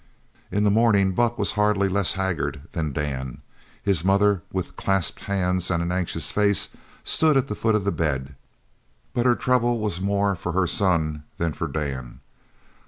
In the morning Buck was hardly less haggard than Dan. His mother, with clasped hands and an anxious face, stood at the foot of the bed, but her trouble was more for her son than for Dan.